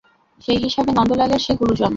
সেই হিসাবে নন্দলালের সে গুরুজন।